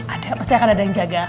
ada pasti akan ada yang jaga